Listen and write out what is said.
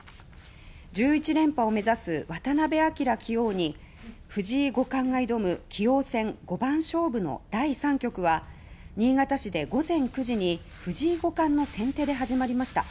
１１連覇を目指す渡辺明棋王に藤井五冠が挑む棋王戦５番勝負の第３局は新潟市で午前９時に藤井五冠の先手で始まりました。